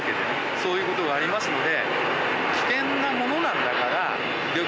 そういう事がありますので。